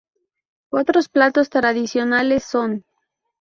Otros platos tradicionales son